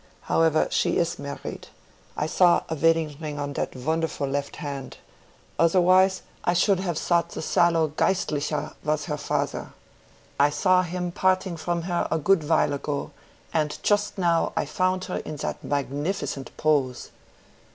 However, she is married; I saw her wedding ring on that wonderful left hand, otherwise I should have thought the sallow Geistlicher was her father. I saw him parting from her a good while ago, and just now I found her in that magnificent pose.